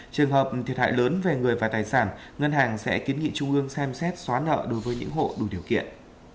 trường hợp thiệt hại lớn về người và tài sản ngân hàng sẽ kiến nghị trung ương xem xét xóa nợ đối với những hộ đủ điều kiện